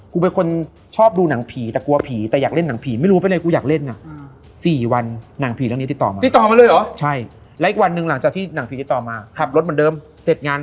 กูหลับตาแต่กูไม่หลับอีกเลย